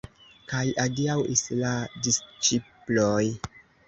Kaj aŭdis la disĉiploj.